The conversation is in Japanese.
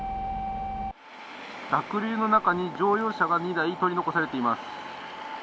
濁流の中に乗用車が２台取り残されています。